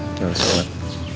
jangan lupa siap siap